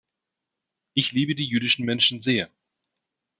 Ich liebe die jüdischen Menschen sehr.